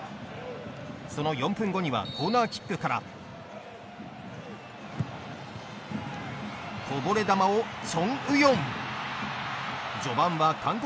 その４分後にはコーナーキックからこぼれ球をチョン・ウヨン。